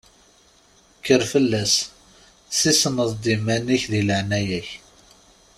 Kker fell-as, tessisneḍ-d iman-ik di leɛnaya-k!